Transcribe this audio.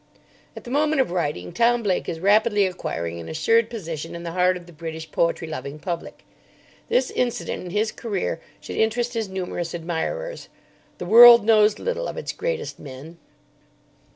At the moment of writing Tom Blake is rapidly acquiring an assured position in the heart of the British poetry loving public. This incident in his career should interest his numerous admirers. The world knows little of its greatest men.